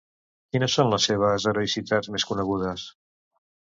Quines són les seves heroïcitats més conegudes?